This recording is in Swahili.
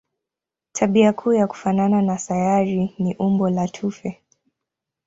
Tabia kuu ya kufanana na sayari ni umbo la tufe.